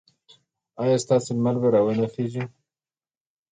ایا ستاسو لمر به را نه خېژي؟